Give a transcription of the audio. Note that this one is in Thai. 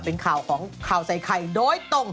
เป็นข่าวของข่าวใส่ไข่โดยตรง